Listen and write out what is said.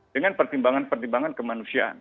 dengan pertimbangan pertimbangan kemanusiaan